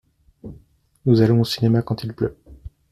Nous allons au cinéma quant il pleut.